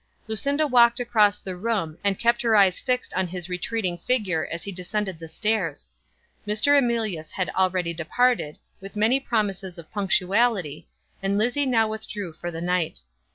Lucinda walked across the room, and kept her eyes fixed on his retreating figure as he descended the stairs. Mr. Emilius had already departed, with many promises of punctuality, and Lizzie now withdrew for the night.